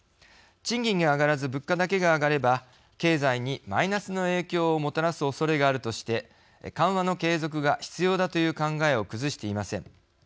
賃金が上がらず物価だけが上がれば経済にマイナスの影響をもたらすおそれがあるとして緩和の継続が必要だという考えを崩していません。